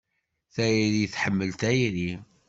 Tayri tḥemmel tayri.